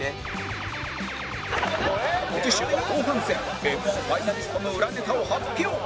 次週は後半戦Ｍ−１ ファイナリストの裏ネタを発表